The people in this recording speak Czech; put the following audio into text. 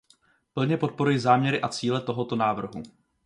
Plně podporuji záměry a cíle tohoto návrhu.